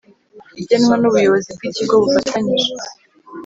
igenwa nUbuyobozi bwIkigo bufatanyije